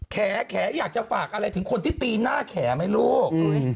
แขอยากจะฝากอะไรถึงคนที่ตีหน้าแขไหมลูก